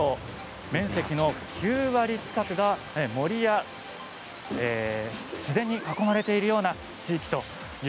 面積の９割近くが森や自然に囲まれている地域です。